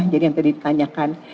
jadi yang tadi ditanyakan